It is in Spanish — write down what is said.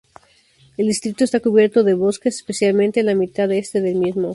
El distrito está cubierto de bosques, especialmente en la mitad Este del mismo.